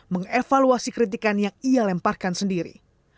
meng evaluasi kritikan yang ia lemparkan sendiri